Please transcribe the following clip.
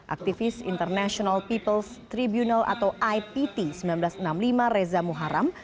aktivis international peoples tribunal atau ipt seribu sembilan ratus enam puluh lima reza muharam